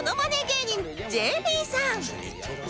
芸人 ＪＰ さん！